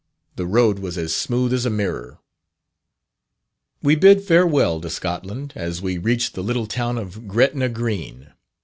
The road was as smooth as a mirror. We bid farewell to Scotland, as we reached the little town of Gretna Green.